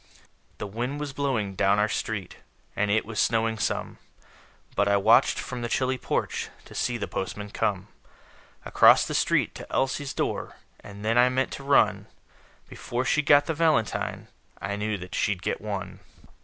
The wind was blowing down our street, And it was snowing some; But I watched from the chilly porch To see the postman come. Across the street to Elsie's door; And then I meant to run Before she got the valentine I knew that she'd get one.